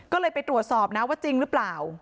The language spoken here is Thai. ก็เลยไปตรวจสอบนะว่าจริงหรือเปล่า